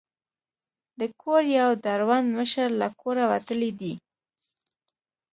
د کور یو دروند مشر له کوره وتلی دی.